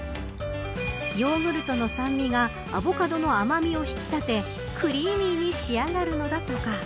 ヨーグルトの酸味がアボカドの甘みを引き立てクリーミーに仕上がるのだとか。